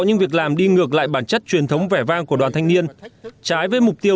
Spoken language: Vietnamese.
nhưng việc làm đi ngược lại bản chất truyền thống vẻ vang của đoàn thanh niên trái với mục tiêu